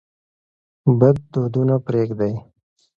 بد دودونه پرېږدئ.